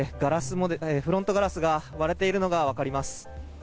フロントガラスが割れているのが分かります。